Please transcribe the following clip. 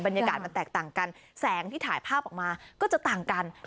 บรรยากาศมันแตกต่างกันแสงที่ถ่ายภาพออกมาก็จะต่างกัน